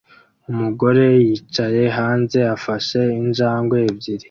Umugore yicaye hanze afashe injangwe ebyiri